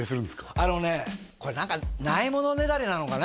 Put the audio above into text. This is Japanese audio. あのねこれ何かないものねだりなのかね